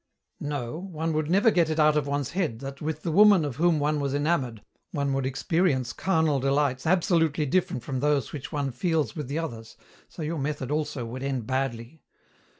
"No, one would never get it out of one's head that with the woman of whom one was enamoured one would experience carnal delights absolutely different from those which one feels with the others, so your method also would end badly.